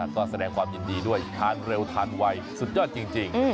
ก็แสดงความยินดีด้วยทานเร็วทานไวสุดยอดจริง